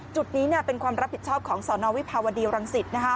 จุดนี้เป็นความรับผิดชอบของสนวิภาวดีรังสิต